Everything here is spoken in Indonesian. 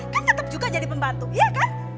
kan tetep juga jadi pembantu ya kan